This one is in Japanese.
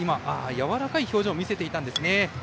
やわらかい表情を見せていたんですね。